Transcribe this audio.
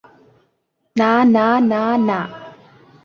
না না না না!